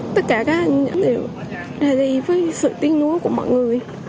tất cả các anh đều ra đi với sự tiếng nuốt của mọi người